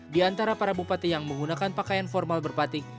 di antara para bupati yang menggunakan pakaian formal berpatik